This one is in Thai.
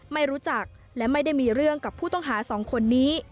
ไม่รู้จักและไม่ได้มีเรื่องกับผู้ต้องหาสองคนนี้